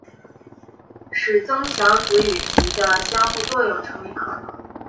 使增强子与及的相互作用成为可能。